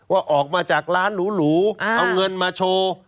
ว่าออกมาจากร้านหรูเอาเงินมาโชว์